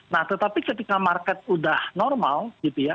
nah tetapi ketika market udah normal gitu ya